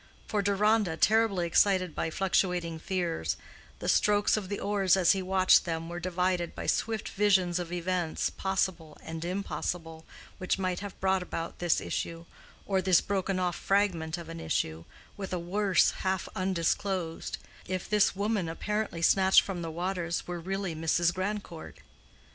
For Deronda, terribly excited by fluctuating fears, the strokes of the oars as he watched them were divided by swift visions of events, possible and impossible, which might have brought about this issue, or this broken off fragment of an issue, with a worse half undisclosed—if this woman apparently snatched from the waters were really Mrs. Grandcourt.